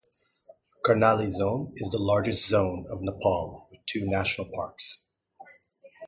Karnali Zone is the largest zone of Nepal, with two national parks.